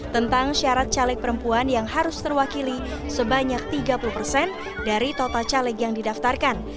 tentang syarat caleg perempuan yang harus terwakili sebanyak tiga puluh persen dari total caleg yang didaftarkan